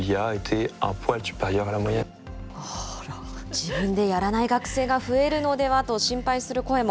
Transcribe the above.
自分でやらない学生が増えるのではと心配する声も。